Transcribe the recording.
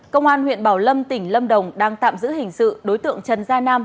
công an huyện bảo lâm tỉnh lâm đồng đang tạm giữ hình sự đối tượng trần gia nam